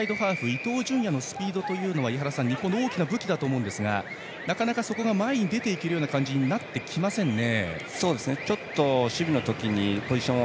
伊東純也のスピードは井原さん、日本の大きな武器だと思うんですがなかなか前に出ていける感じになってきませんね。